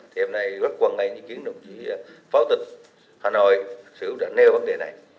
thì hôm nay rất quan ngại những kiến đồng chỉ pháo tịch hà nội sử dụng đoạn nêu vấn đề này